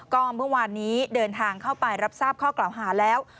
ก็เมื่อวานนี้เดินทางเข้าไปรับทราบข้อกล่าวหาแล้ว